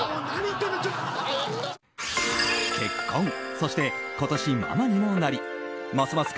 結婚、そして今年ママにもなりますます